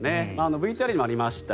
ＶＴＲにもありました